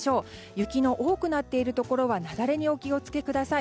雪の多くなっているところは雪崩にお気を付けください。